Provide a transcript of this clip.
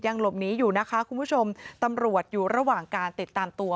หลบหนีอยู่นะคะคุณผู้ชมตำรวจอยู่ระหว่างการติดตามตัว